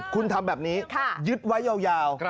คุณทำแบบนี้ยึดไว้ยาว